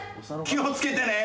気を付けてね！